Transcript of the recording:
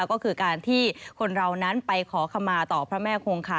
ก็คือการที่คนเรานั้นไปขอขมาต่อพระแม่คงคา